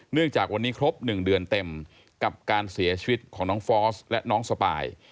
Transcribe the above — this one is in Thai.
จากวันนี้ครบ๑เดือนเต็มกับการเสียชีวิตของน้องฟอสและน้องสปาย